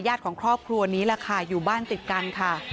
ของครอบครัวนี้แหละค่ะอยู่บ้านติดกันค่ะ